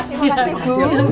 terima kasih bu